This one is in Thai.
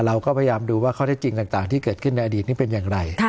เราก็พยายามดูว่าข้อได้จริงต่างที่เกิดขึ้นในอดีตนี้เป็นอย่างไร